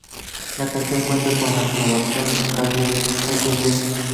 La canción cuenta con la colaboración musical de Wyclef Jean.